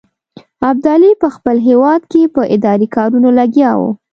ابدالي په خپل هیواد کې په اداري کارونو لګیا وو.